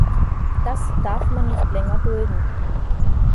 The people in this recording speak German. Das darf man nicht länger dulden.